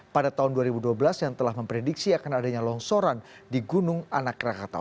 pada tahun dua ribu dua belas yang telah memprediksi akan adanya longsoran di gunung anak rakatau